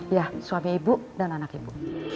ya suami ibu dan anak ibu